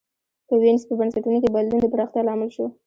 په وینز په بنسټونو کې بدلون د پراختیا لامل شو.